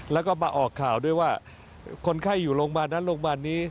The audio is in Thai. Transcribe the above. แล้วก็มาออกข่าวด้วยว่าคนไข้อยู่โรงพยาบาลนั้นโรงพยาบาลนี้